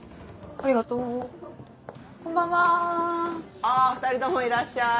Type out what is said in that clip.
あ２人ともいらっしゃい！